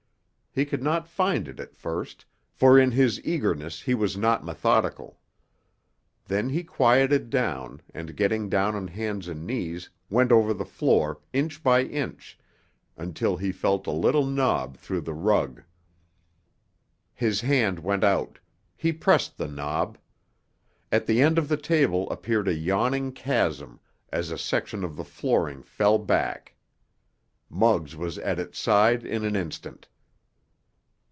He could not find it at first, for in his eagerness he was not methodical. Then he quieted down, and, getting down on hands and knees, went over the floor, inch by inch, until he felt a little knob through the rug. His hand went out; he pressed the knob. At the end of the table appeared a yawning chasm, as a section of the flooring fell back. Muggs was at its side in an instant.